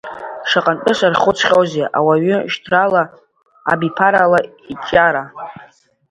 Шаҟантәы сархәыцхьоузеи ауаҩ шьҭрала, абиԥарала иҿиара.